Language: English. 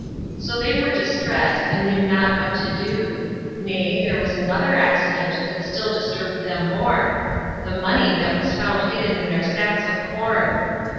So they were distressed, and knew not what to do; nay, there was another accident that still disturbed them more, the money that was found hidden in their sacks of corn.